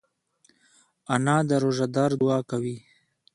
انا د روژهدار دعا کوي